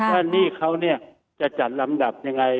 หนี้เขาเนี่ยจะจัดลำดับยังไง